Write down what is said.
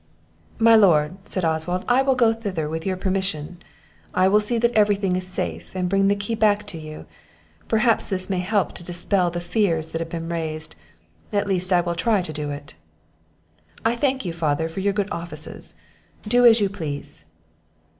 "My Lord," said Oswald, "I will go thither, with your permission; I will see that every thing is safe, and bring the key back to you; Perhaps this may help to dispel the fears that have been raised at least, I will try to do it." "I thank you, father, for your good offices do as you please."